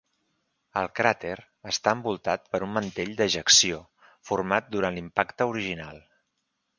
El cràter està envoltat per un mantell d'ejecció format durant l'impacte original.